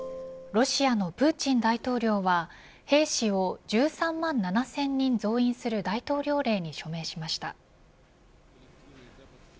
ロシアのプーチン大統領は兵士を１３万７０００人増員する大統領令に署名しました。